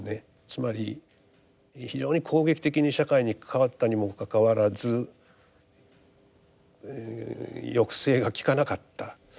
つまり非常に攻撃的に社会に関わったにもかかわらず抑制がきかなかった。